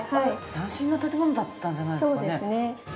斬新な建物だったんじゃないですかね。